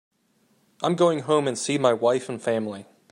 I'm going home and see my wife and family.